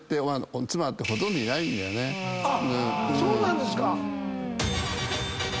そうなんですか。